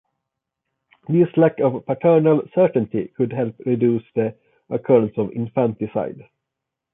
This lack of paternal certainty could help reduce the occurrence of infanticide.